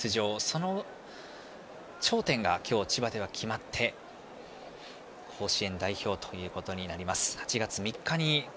その頂点が今日千葉では決まって甲子園代表ということになります。